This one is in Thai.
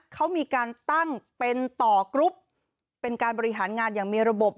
เขามีการตั้งเป็นต่อกรุ๊ปเป็นการบริหารงานอย่างมีระบบ